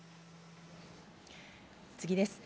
次です。